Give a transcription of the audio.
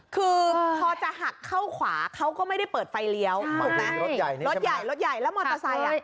คือพอจะหักเข้าขวาเขาก็ไม่ได้เปิดไฟเลี้ยวถูกไหมรถใหญ่รถใหญ่แล้วมอเตอร์ไซค์อ่ะ